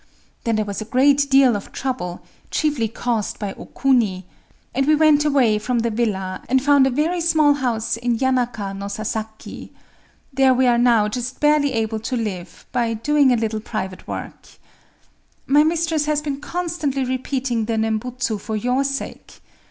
Then there was a great deal of trouble,—chiefly caused by O Kuni;—and we went away from the villa, and found a very small house in Yanaka no Sasaki. There we are now just barely able to live, by doing a little private work…. My mistress has been constantly repeating the Nembutsu for your sake.